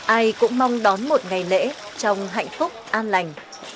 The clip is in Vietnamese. ai cũng mong đón một ngày lễ trong hạnh phúc an lành